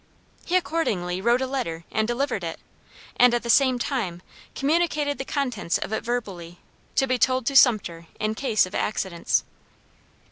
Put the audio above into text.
He accordingly wrote a letter and delivered it, and at the same time communicated the contents of it verbally, to be told to Sumter in case of accidents.